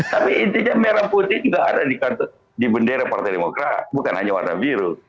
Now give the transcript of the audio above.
tapi intinya merah putih juga ada di bendera partai demokrat bukan hanya warna biru